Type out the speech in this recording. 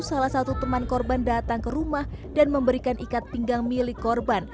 salah satu teman korban datang ke rumah dan memberikan ikat pinggang milik korban